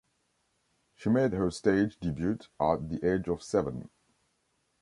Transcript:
She made her stage debut at the age of seven.